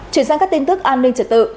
trở sang các tin tức an ninh trật tự